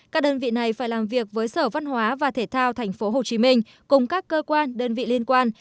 các đơn vị này phải làm việc với sở văn hóa và thể thao tp hcm cùng các cơ quan đơn vị liên quan